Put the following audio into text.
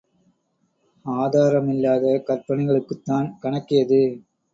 ஆதாரமில்லாத கற்பனைகளுக்குத்தான் கணக்கேது?